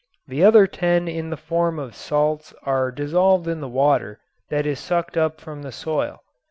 The other ten in the form of salts are dissolved in the water that is sucked up from the soil.